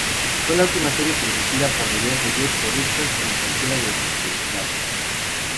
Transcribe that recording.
Fue la última serie producida por Miller-Boyett Productions en cualquiera de sus identidades.